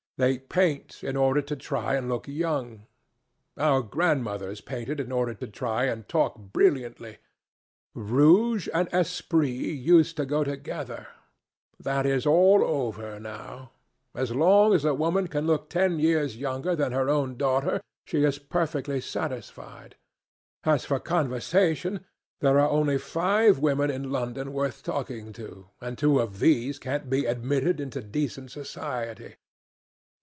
They paint in order to try and look young. Our grandmothers painted in order to try and talk brilliantly. Rouge and esprit used to go together. That is all over now. As long as a woman can look ten years younger than her own daughter, she is perfectly satisfied. As for conversation, there are only five women in London worth talking to, and two of these can't be admitted into decent society.